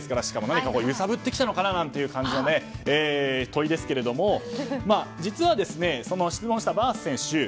何か揺さぶってきたのかなという感じな問いですけども実は、その質問したバース選手